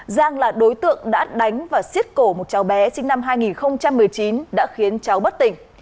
giang là đối tượng đã đánh và xiết cổ một cháu bé sinh năm hai nghìn một mươi chín đã khiến cháu bất tỉnh